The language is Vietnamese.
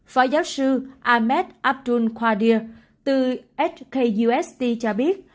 phó giáo sư ahmed abdul qadir từ hkust cho biết